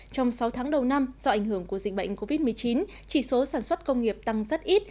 trong sáu tháng đầu năm do ảnh hưởng của dịch bệnh covid một mươi chín chỉ số sản xuất công nghiệp tăng rất ít